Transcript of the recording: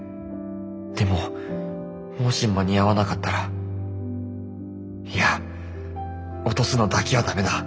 でももし間に合わなかったらいや落とすのだけはダメだ。